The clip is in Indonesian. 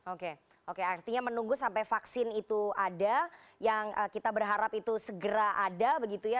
oke oke artinya menunggu sampai vaksin itu ada yang kita berharap itu segera ada begitu ya